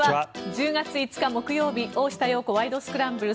１０月５日、木曜日「大下容子ワイド！スクランブル」。